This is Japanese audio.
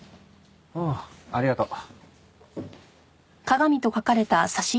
ああありがとう。